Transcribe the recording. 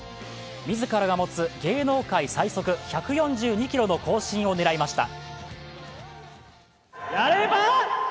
自らが持つ芸能界最速１４２キロの更新を狙いました。